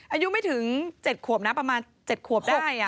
อายุไม่ถึง๗ขวบนะประมาณ๗ขวบได้